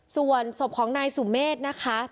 ส่วนศพของนายสุเมฆนะคะ